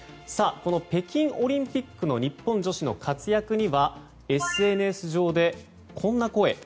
この北京オリンピックの日本女子の活躍にはＳＮＳ上でこんな声。